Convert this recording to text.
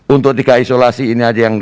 untuk tiga isolasi ini aja yang